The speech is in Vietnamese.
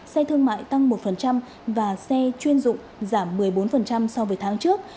xe thương mại tăng một và xe chuyên dụng giảm một mươi bốn so với tháng trước